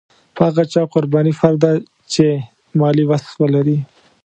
په هغه چا قرباني فرض ده چې مالي وس ولري.